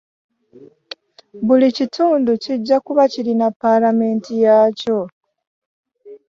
Buli kitundu kijja kuba kirina Paalamenti yaakyo